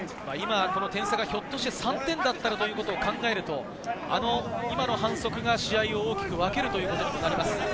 点差がひょっとして３点だったらということを考えると、今の反則が試合を大きく分けるということになります。